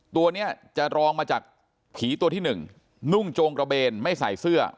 ตัวนี้จะรองมาจากผีตัวที่หนึ่งนุ่งโจงกระเบนไม่ใส่เสื้อ